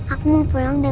aku mau pulang deh